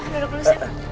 duduk dulu siap